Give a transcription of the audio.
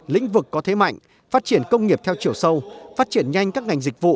lĩnh vực có thế mạnh phát triển công nghiệp theo chiều sâu phát triển nhanh các ngành dịch vụ